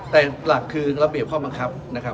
แต่หลักคือระเบียบข้อบังคับนะครับ